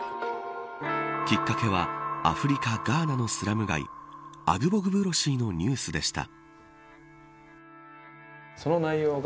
きっかけはアフリカ、ガーナのスラム街アグボグブロシーのニュースでした。